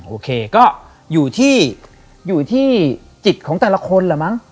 โอเคก็อยู่ที่อยู่ที่จิตของแต่ละคนเหรอมั้ง